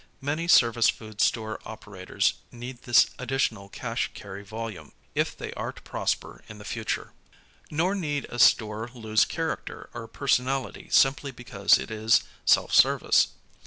Many service food store operators need this additional cash carry volume if they are to prosper in the future. Nor need a store lose character or personality simply because it is self service.